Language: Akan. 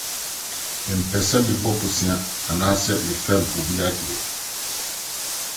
Mempɛ sɛ mebɔ bosea anaa sɛ mɛ fɛm obi ade.